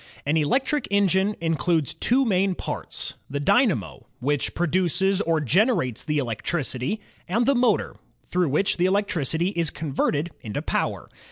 An electric engine includes two main parts: the dynamo, which produces or generates the electricity, and the motor, through which the electricity is converted into power.